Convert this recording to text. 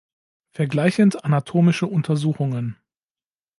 Vergleichend- anatomische Untersuchungen.